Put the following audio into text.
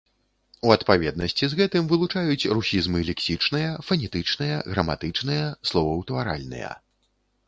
У адпаведнасці з гэтым вылучаюць русізмы лексічныя, фанетычныя, граматычныя, словаўтваральныя.